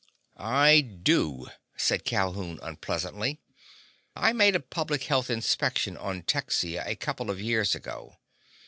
"I do," said Calhoun unpleasantly. "I made a public health inspection on Texia a couple of years ago.